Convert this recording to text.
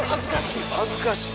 恥ずかしい。